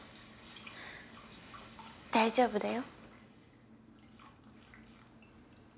大丈夫だよ。